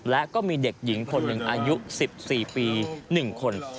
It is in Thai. และก็มีเด็กหญิงคนหนึ่งอายุ๑๔ปี๑คน